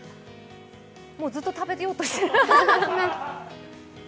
もうずっと食べようとしてる。